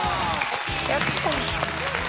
やっぱり！